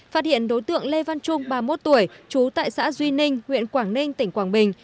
phát hiện đối tượng lê văn trung ba mươi một tuổi trú tại xã duy ninh huyện quảng ninh tỉnh quảng bình